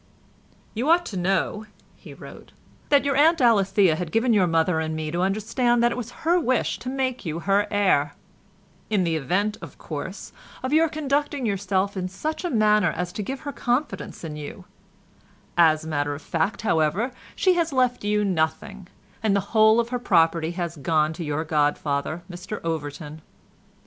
"You ought to know," he wrote, "that your Aunt Alethea had given your mother and me to understand that it was her wish to make you her heir—in the event, of course, of your conducting yourself in such a manner as to give her confidence in you; as a matter of fact, however, she has left you nothing, and the whole of her property has gone to your godfather, Mr Overton.